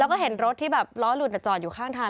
แล้วก็เห็นรถที่แบบล้อหลุดจอดอยู่ข้างทาง